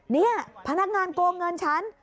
นี่พนักงานโกงเงินฉัน